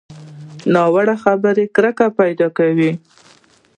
ناوړه خبرې کرکه پیدا کوي